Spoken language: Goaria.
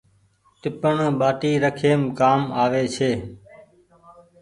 ٽيپڻ ٻآٽي رکيم ڪآم آوي ڇي ۔